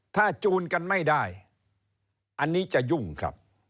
ถ้าจูนกันไม่ได้อันนี้จะยุ่งครับ